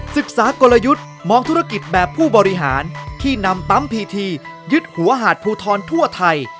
ศึกษากลยุทธ์มองธุรกิจแบบผู้บริหารที่นำปั๊มพีทียึดหัวหาดภูทรทั่วไทย